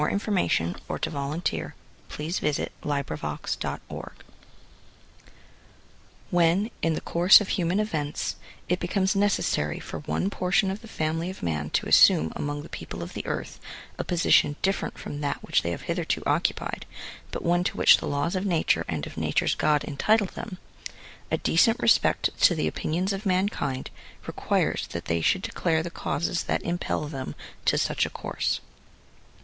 70 History of Woman Suffrage. DECLARATION OF SENTIMENTS. "When, in the course of human events, it becomes necessary for one portion of the family of man to assume among the people of the earth a position different from that which they have hitherto occupied, but one to which the laws of nature and of nature's God entitle them, a decent respect to the opinions of mankind requires that they should declare the causes that impel them to such a course.